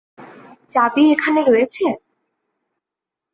চাবি এখানে রয়েছে?